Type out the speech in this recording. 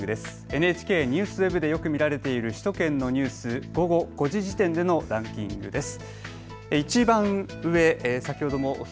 ＮＨＫＮＥＷＳＷＥＢでよく見られている首都圏のニュース、午後５時時点でのランキングです。